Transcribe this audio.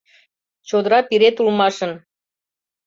Чодыра пирет улмашын.